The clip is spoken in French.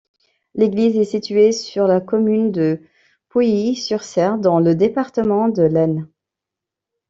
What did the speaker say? L'église est située sur la commune de Pouilly-sur-Serre, dans le département de l'Aisne.